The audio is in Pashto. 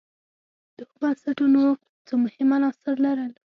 دغو بنسټونو څو مهم عناصر لرل.